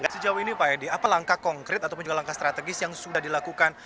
sejauh ini pak edi apa langkah konkret ataupun juga langkah strategis yang sudah dilakukan